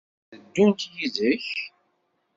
Ad d-ddunt yid-k?